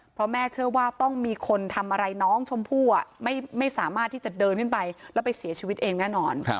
เพราะแม่เชื่อว่าต้องมีคนทำอะไรน้องชมพู่ไม่สามารถที่จะเดินขึ้นไปแล้วไปเสียชีวิตเองแน่นอน